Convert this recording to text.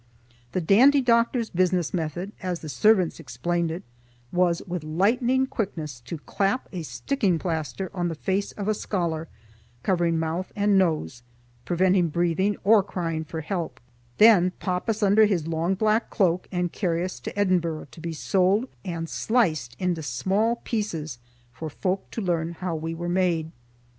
The Dandy Doctor's business method, as the servants explained it, was with lightning quickness to clap a sticking plaster on the face of a scholar, covering mouth and nose, preventing breathing or crying for help, then pop us under his long black cloak and carry us to Edinburgh to be sold and sliced into small pieces for folk to learn how we were made.